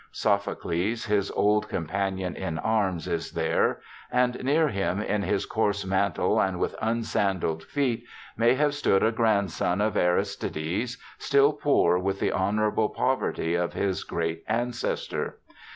Sophocles, his old com panion in arms, is there ; and near him, in his coarse mantle, and with unsandaled feet, may have stood a grandson of Aristides, still poor with the honorable poverty of his great ancestor.